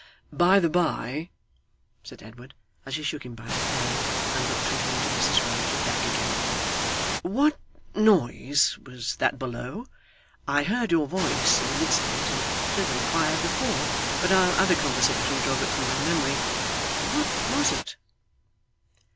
'By the bye,' said Edward, as he shook him by the hand, and looked from him to Mrs Rudge and back again, 'what noise was that below? I heard your voice in the midst of it, and should have inquired before, but our other conversation drove it from my memory. What was it?